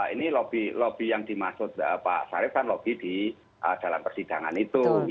ini lobby yang dimaksud pak sarif kan lobby di dalam persidangan itu